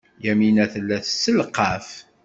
Yamina tella tesselqaf.